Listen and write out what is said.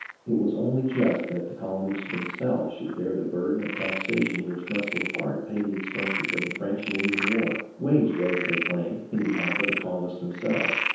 It was only just that the colonies themselves should bear the burden of the taxation which must in part pay the expenses of the French and Indian War, waged, as they claimed, in behalf of the colonists themselves.